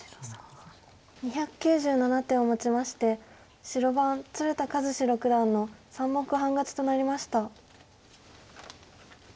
２９７手をもちまして白番鶴田和志六段の３目半勝ちとなりました。